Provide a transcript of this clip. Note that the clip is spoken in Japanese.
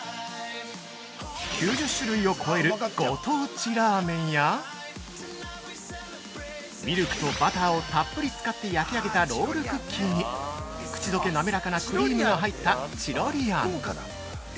９０種類を超えるご当地ラーメンや、ミルクとバターをたっぷり使って焼き上げたロールクッキーに口どけ滑らかなクリームが入ったチロリアン。